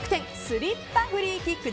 スリッパフリーキック！！